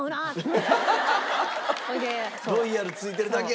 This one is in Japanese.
「“ロイヤル”付いてるだけあるな」